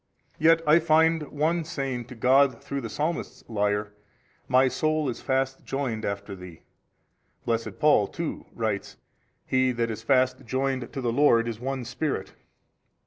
Yet I find one saying to God through the Psalmist's lyre, My soul is fast joined 14 after Thee: blessed Paul too writes, He that is fast joined to the Lord is one spirit.